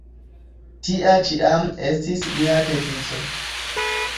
Tia ĉiam estis mia devizo.